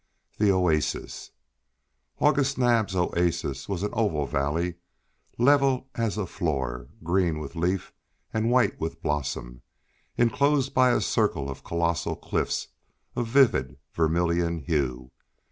THE OASIS AUGUST NAAB'S oasis was an oval valley, level as a floor, green with leaf and white with blossom, enclosed by a circle of colossal cliffs of vivid vermilion hue.